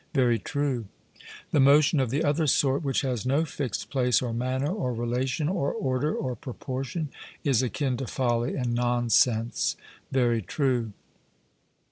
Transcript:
'Very true.' The motion of the other sort, which has no fixed place or manner or relation or order or proportion, is akin to folly and nonsense. 'Very true.'